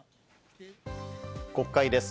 国会です。